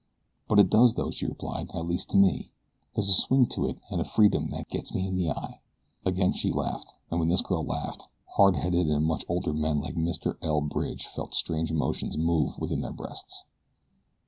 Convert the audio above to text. "But it does, though," she replied; "at least to me. There's a swing to it and a freedom that 'gets me in the eye.'" Again she laughed, and when this girl laughed, harder headed and much older men than Mr. L. Bridge felt strange emotions move within their breasts.